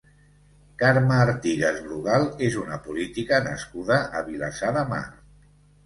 Carme Artigas Brugal és una política nascuda a Vilassar de Mar.